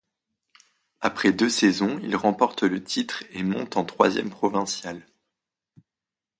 Après deux saisons, il remporte le titre et monte en troisième provinciale.